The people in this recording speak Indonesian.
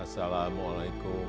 ikut doa bersama